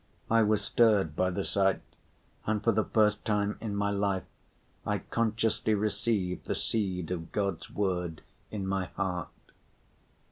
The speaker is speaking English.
I was stirred by the sight, and for the first time in my life I consciously received the seed of God's word in my heart.